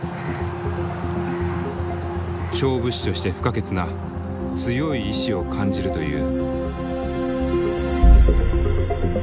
勝負師として不可欠な強い意志を感じるという。